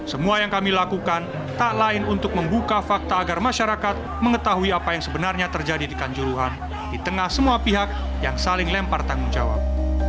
semua yang kami lakukan tak lain untuk membuka fakta agar masyarakat mengetahui apa yang sebenarnya terjadi di kanjuruhan di tengah semua pihak yang saling lempar tanggung jawab